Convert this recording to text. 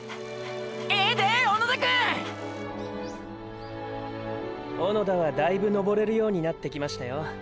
ええで小野田くん！！小野田はだいぶ登れるようになってきましたよ。